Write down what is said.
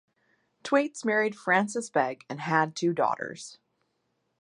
Twaits married Frances Begg and had two daughters.